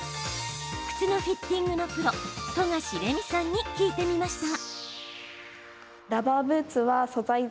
靴のフィッティングのプロ富樫玲美さんに聞いてみました。